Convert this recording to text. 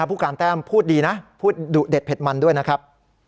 ผู้การแต้มพูดดีนะพูดดุเด็ดเผ็ดมันด้วยนะครับ